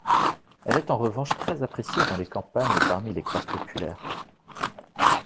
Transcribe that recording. Elle est en revanche très appréciée dans les campagnes et parmi les classes populaires.